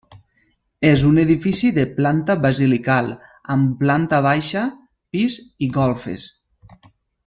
És un edifici de planta basilical amb planta baixa, pis i golfes.